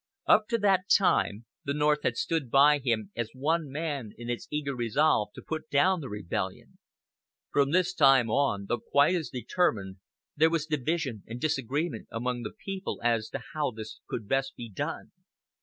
Up to that time the North had stood by him as one man in its eager resolve to put down the rebellion. From this time on, though quite as determined, there was division and disagreement among the people as to how this could best be done.